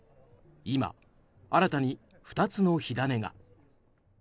今、新たに２つの火種が。